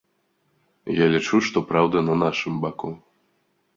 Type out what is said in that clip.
Я лічу, што праўда на нашым баку.